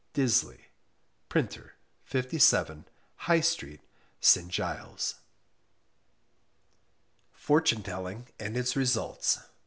Disley, Printer, 57, High Street, St. Giles. FORTUNE TELLING AND ITS RESULTS.